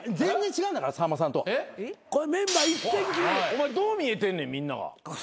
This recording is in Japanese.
お前どう見えてんねんみんなが。